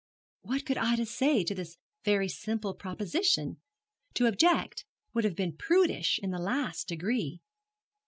What could Ida say to this very simple proposition? To object would have been prudish in the last degree.